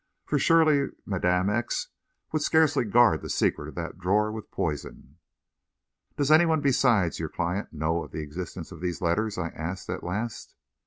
For, surely, Madame X. would scarcely guard the secret of that drawer with poison! "Does any one besides your client know of the existence of these letters?" I asked, at last.